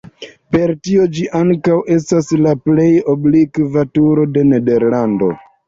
Per tio ĝi ankaŭ estas la plej oblikva turo de Nederlando.